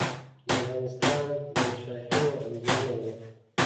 د افغانستان د مشاهیرو انځورونه وو.